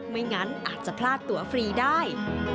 ไม่งั้นอาจจะพลาดตัวฟรีได้